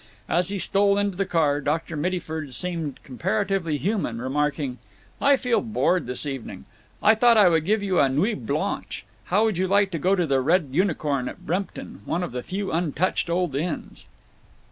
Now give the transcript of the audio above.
As he stole into the car Dr. Mittyford seemed comparatively human, remarking: "I feel bored this evening. I thought I would give you a nuit blanche. How would you like to go to the Red Unicorn at Brempton—one of the few untouched old inns?"